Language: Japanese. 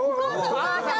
お母さん！